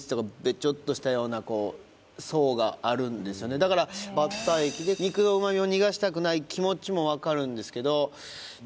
だからバッター液で肉の旨味を逃がしたくない気持ちも分かるんですけどべ